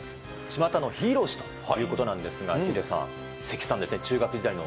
巷のヒーロー史ということなんですけど、ヒデさん、関さんですね、中学時代の。